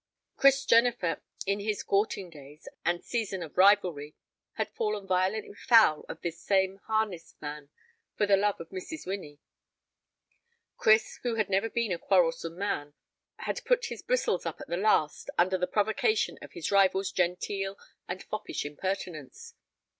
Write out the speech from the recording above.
Chris Jennifer in his courting days and season of rivalry had fallen violently foul of this same harness man for the love of Mrs. Winnie. Chris, who had never been a quarrelsome man, had put his bristles up at last under the provocation of his rival's genteel and foppish impertinence.